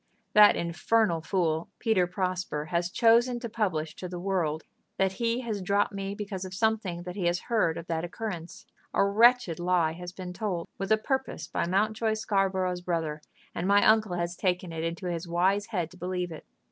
That infernal fool, Peter Prosper, has chosen to publish to the world that he has dropped me because of something that he has heard of that occurrence. A wretched lie has been told with a purpose by Mountjoy Scarborough's brother, and my uncle has taken it into his wise head to believe it.